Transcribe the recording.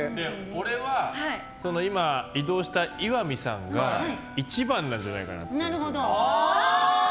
俺は、今、移動した石見さんが１番なんじゃないかって。